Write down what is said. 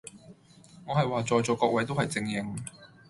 我係話在座各位都係精英